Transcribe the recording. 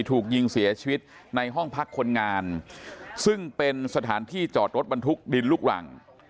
ถูกยิงเสียชีวิตในห้องพักคนงานซึ่งเป็นสถานที่จอดรถบรรทุกดินลูกรัง